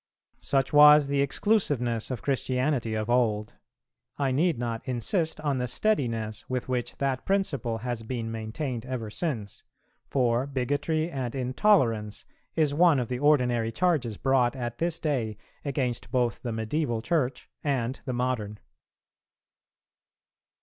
Such was the exclusiveness of Christianity of old: I need not insist on the steadiness with which that principle has been maintained ever since, for bigotry and intolerance is one of the ordinary charges brought at this day against both the medieval Church and the modern.